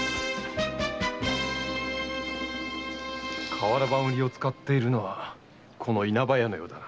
瓦版売りを使っているのは稲葉屋のようだな。